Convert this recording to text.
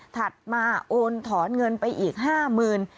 ถัดมาโอนถอนเงินไปอีก๕๐๐๐บาท